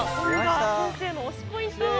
千田先生の推しポイント。